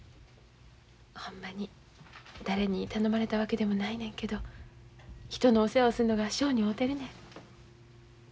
ほんまに誰に頼まれたわけでもないねんけど人のお世話をするのが性に合うてるねん。